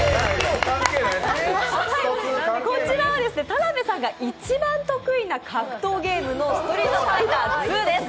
田辺産が一番得意な格闘ゲームの「ストリートファイターⅡ」です。